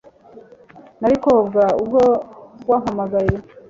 Nari koga ubwo wampamagaye